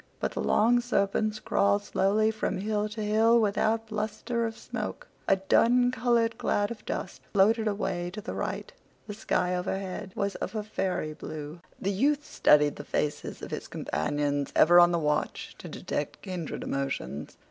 But the long serpents crawled slowly from hill to hill without bluster of smoke. A dun colored cloud of dust floated away to the right. The sky overhead was of a fairy blue. The youth studied the faces of his companions, ever on the watch to detect kindred emotions.